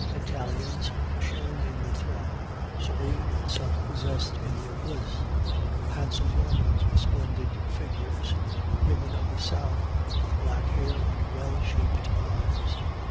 Italians shone in the throng, serene and self possessed in their bliss; handsome Normans, with splendid figures; women of the south, with black hair and well shaped eyes.